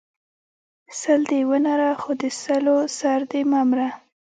ـ سل دی ونره خو د سلو سر دی مه مره.